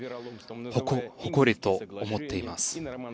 誇りと思っています。